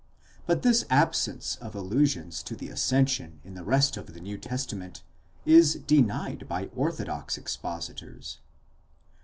But this absence of allusions to the ascension in the rest of the New Testament is denied by orthodox expositors.